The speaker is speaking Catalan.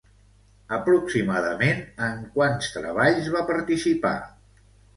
Aproximadament, en quants treballs va participar?